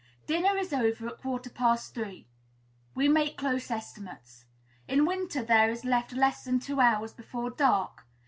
Dinner is over at quarter past three; we make close estimates. In winter there is left less than two hours before dark.